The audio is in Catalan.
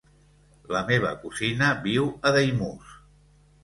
La meva cosina viu a Daimús.